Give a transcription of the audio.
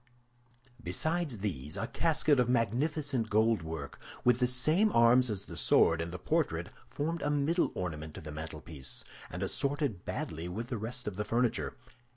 Besides these, a casket of magnificent goldwork, with the same arms as the sword and the portrait, formed a middle ornament to the mantelpiece, and assorted badly with the rest of the furniture.